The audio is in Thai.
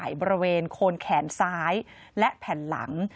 ขนาดใหญ่บริเวณโคนแขนซ้ายและแผ่นหลัง